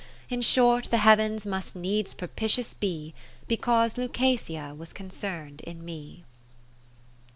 In short, the Heav'ns must needs propitious be, Because Lucasia was concern'd in me.